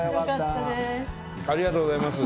ありがとうございます。